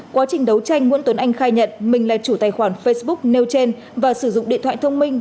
quá trình đấu tranh nguyễn tuấn anh khai nhận mình là chủ tài khoản facebook nêu trên và sử dụng điện thoại thông minh